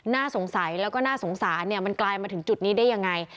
น่าสงสัยแล้วก็น่าสงสารมันกลายมาถึงจุดนี้ได้ยังไง